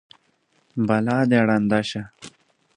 بلا دې ړنده شه!